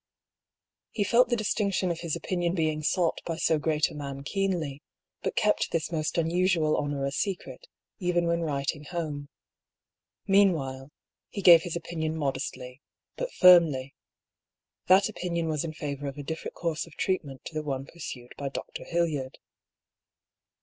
He felt the distinction of his opinion being sought by so great a man keenly, but kept this most unusual A MORAL DUEL. 67 honour a secret, even when writing home. Meanwhile, he gave his opinion modestly, but firmly. That opinion was in favour of a different course of treatment to the one pursued by Dr. Hildyard.